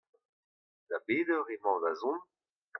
Da bet eur emañ da zont ?